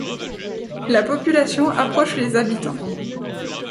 La population approche les habitants.